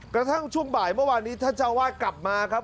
กระทั่งช่วงบ่ายเมื่อวานนี้ท่านเจ้าวาดกลับมาครับ